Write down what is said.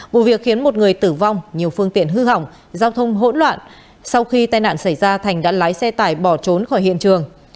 vụ việc khiến một người tử vong nhiều phương tiện hư hỏng giao thông hỗn loạn sau khi tai nạn xảy ra thành đã lái xe tải bỏ trốn khỏi hiện trường